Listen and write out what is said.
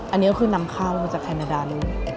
อันนี้ก็คือน้ำข้าวจากแคนาดัน